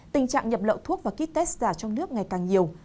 tình trạng nhập lậu thuốc và kit test giả trong nước ngày càng nhiều